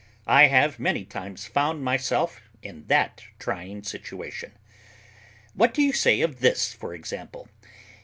I have many times found myself in that trying situation. What do you say of this, for example?